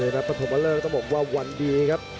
นัดปฐมเลิกต้องบอกว่าวันดีครับ